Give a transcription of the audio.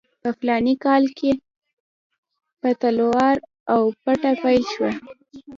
په فلاني کال کې په تلوار او پټه پیل شوه.